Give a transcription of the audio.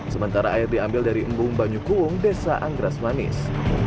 sementara air diambil dari embung banyukung desa anggras manis